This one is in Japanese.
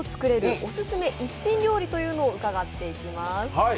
オススメ一品料理」ものを伺っていきます。